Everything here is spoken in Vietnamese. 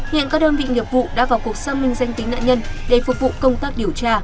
hiện các đơn vị nghiệp vụ đã vào cuộc xác minh danh tính nạn nhân để phục vụ công tác điều tra